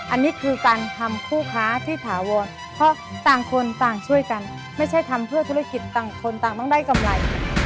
อันนี้คือการทำคู่ค้าที่ถาวรเพราะต่างคนต่างช่วยกันไม่ใช่ทำเพื่อธุรกิจต่างคนต่างต้องได้กำไร